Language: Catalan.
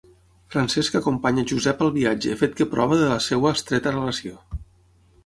Francesc acompanya Josep al viatge fet que prova de la seva estreta relació.